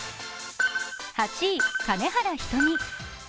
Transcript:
８位、金原ひとみ。